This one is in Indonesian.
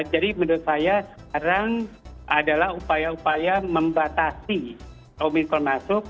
jadi menurut saya sekarang adalah upaya upaya membatasi omikron masuk